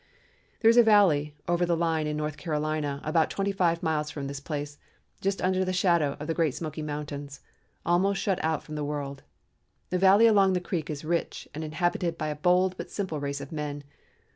"There is a valley over the line in North Carolina about twenty five miles from this place, just under the shadow of the Great Smoky Mountains, almost shut out from the world. The valley along the creek is rich and inhabited by a bold but simple race of men.